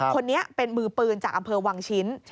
คนนี้เป็นมือปืนจากอำเภอวังชิ้น